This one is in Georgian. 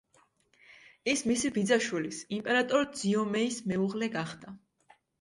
ის მისი ბიძაშვილის, იმპერატორ ძიომეის მეუღლე გახდა.